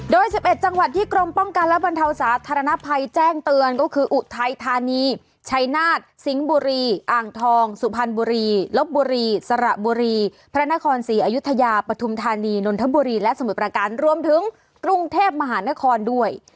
โดย๑๑จังหวัดที่กรมป้องกันและบรรเทาสาธารณภัยแจ้งเตือนก็คืออุทัยธานีชัยนาฏสิงห์บุรีอ่างทองสุพรรณบุรีลบบุรีสระบุรีพระนครศรีอยุธยาปฐุมธานีนนทบุรีและสมุทรประการรวมถึงกรุงเทพมหานครด้วย